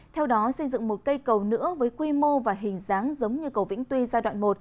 theo đó xây dựng một cây cầu nữa với quy mô và hình dáng giống như cầu vĩnh tuy giai đoạn một